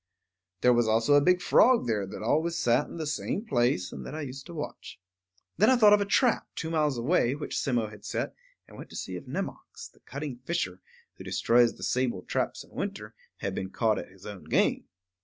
There was also a big frog there that always sat in the same place, and that I used to watch. Then I thought of a trap, two miles away, which Simmo had set, and went to see if Nemox, the cunning fisher, who destroys the sable traps in winter, had been caught at his own game.